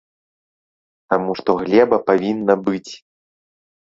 Таму што глеба павінна быць.